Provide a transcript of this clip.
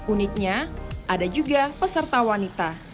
uniknya ada juga peserta wanita